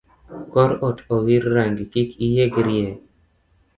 Kor ot owir rangi kik iyiengrie.